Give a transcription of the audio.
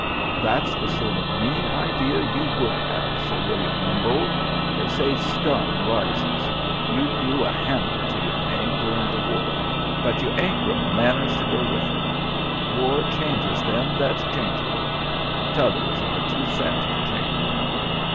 "That's the sort of mean idea you would have, Sir William Rumbold. They say scum rises. You grew a handle to your name during the war, but you ain't grown manners to go with it. War changes them that's changeable. T'others are too set to change."